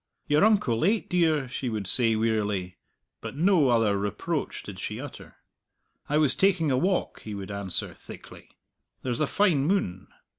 "You're unco late, dear," she would say wearily, but no other reproach did she utter. "I was taking a walk," he would answer thickly; "there's a fine moon!"